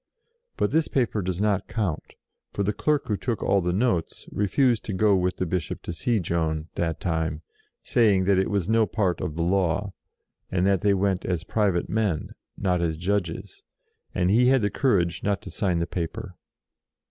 But this paper does not count, for the clerk who took all the notes refused to go with the Bishop to see Joan, that time, saying that it was no part of the law, and that they went as private men, not as Judges, and he had the courage not to no JOAN OF ARC sign the paper.